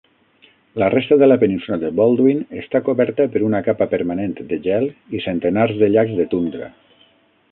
La resta de la península de Baldwin està coberta per una capa permanent de gel i centenars de llacs de tundra.